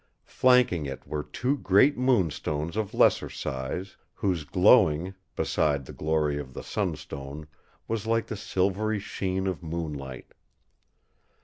Flanking it were two great moonstones of lesser size, whose glowing, beside the glory of the sunstone, was like the silvery sheen of moonlight.